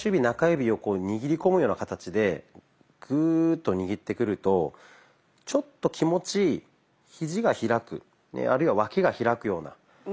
中指を握り込むような形でグーッと握ってくるとちょっと気持ちひじが開くあるいは脇が開くような